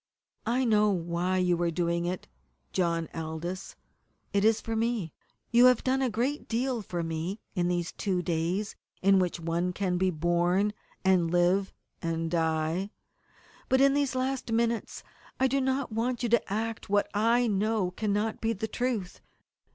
"I know why you are doing it, John Aldous. It is for me. You have done a great deal for me in these two days in which one 'can be born, and live, and die.' But in these last minutes I do not want you to act what I know cannot be the truth.